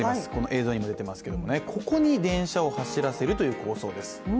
映像にも出ていますけどもここに電車を走らせるという構想です。